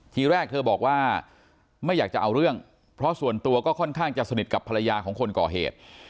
ทีแรกเธอบอกว่าไม่อยากจะเอาเรื่องเพราะส่วนตัวก็ค่อนข้างจะสนิทกับภรรยาของคนก่อเหตุ